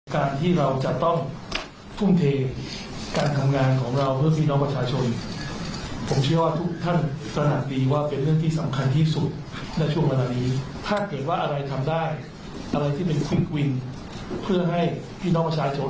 การที่เราจะต้องทุ่มเทการทำงานของเราเพื่อพี่น้องประชาชน